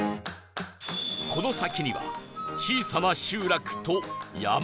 この先には小さな集落と山と海